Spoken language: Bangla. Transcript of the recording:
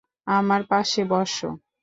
আমার পাশে বসো।